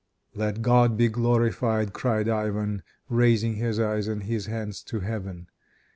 "Let God be glorified," cried Ivan, raising his eyes and his hands to heaven.